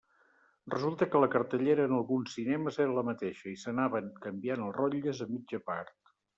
Resulta que la cartellera en alguns cinemes era la mateixa, i s'anaven canviant els rotlles a mitja part.